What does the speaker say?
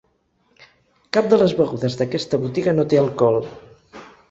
Cap de les begudes d'aquesta botiga no té alcohol.